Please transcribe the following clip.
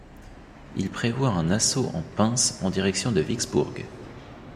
Il prévoit un assaut en pinces en direction de Vicksburg.